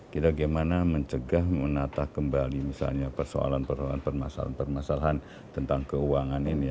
kita bagaimana mencegah menata kembali misalnya persoalan persoalan permasalahan tentang keuangan ini